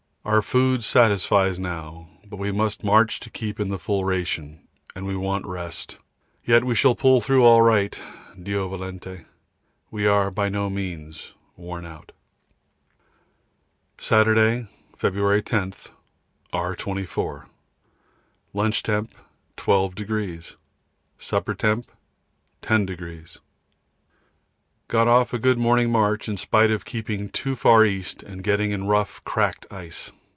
Our food satisfies now, but we must march to keep in the full ration, and we want rest, yet we shall pull through all right, D.V. We are by no means worn out. Saturday, February 10. R. 24. Lunch Temp. +12°; Supper Temp. +10°. Got off a good morning march in spite of keeping too far east and getting in rough, cracked ice.